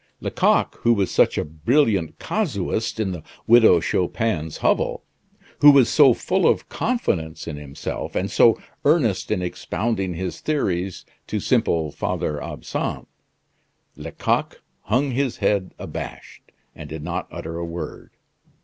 Lecoq, who was such a brilliant casuist in the Widow Chupin's hovel, who was so full of confidence in himself, and so earnest in expounding his theories to simple Father Absinthe Lecoq hung his head abashed and did not utter a word.